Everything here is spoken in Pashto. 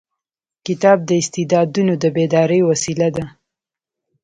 کتاب د استعدادونو د بیدارۍ وسیله ده.